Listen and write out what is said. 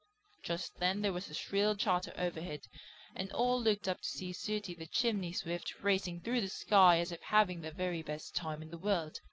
Just then there was a shrill chatter overhead and all looked up to see Sooty the Chimney Swift racing through the sky as if having the very best time in the world.